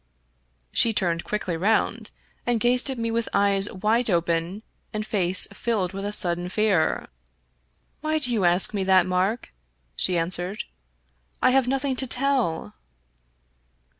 She turned quickly round and gazed at me with eyes wide open and face filled with a sudden fear. " Why do you ask me that, Mark ?" she answered. " I have nothing to tell."